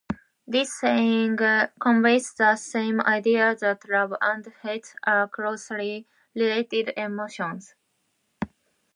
This saying conveys the same idea that love and hate are closely related emotions.